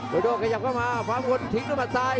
โดโด่กระยับเข้ามาฟ้ามงคลทิ้งด้วยมัดซ้าย